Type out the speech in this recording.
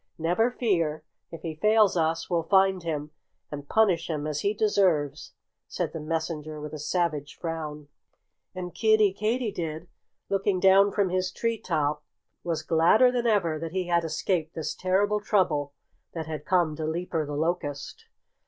"Never fear! If he fails us we'll find him and punish him as he deserves," said the messenger with a savage frown. And Kiddie Katydid, looking down from his tree top, was gladder than ever that he had escaped this terrible trouble that had come to Leaper the Locust.